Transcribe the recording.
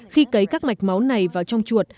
khi cấy các mạch máu này vào trong chuột